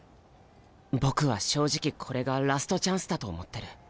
僕は正直これがラストチャンスだと思ってる。